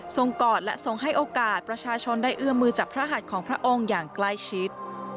กอดและทรงให้โอกาสประชาชนได้เอื้อมือจากพระหัดของพระองค์อย่างใกล้ชิด